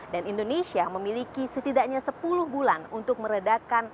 dan indonesia memiliki setidaknya sepuluh bulan untuk meredakan